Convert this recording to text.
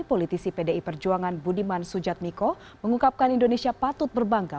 politisi pdi perjuangan budiman sujatmiko mengungkapkan indonesia patut berbangga